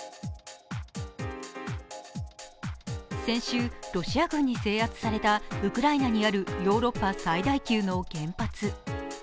先週、ロシア軍に制圧されたウクライナにあるヨーロッパ最大級の原発。